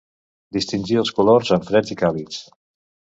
Distingir els colors en freds i càlids.